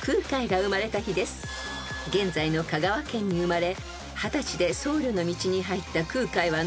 ［現在の香川県に生まれ］